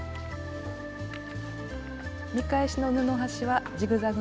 見返しの布端はジグザグ